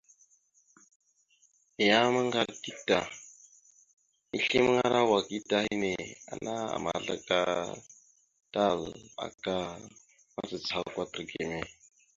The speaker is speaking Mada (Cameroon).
Niyaham ŋgar dik ta, nislimaŋara wakita hinne, ana àmazlaka tal aka macacaha kwatar gime.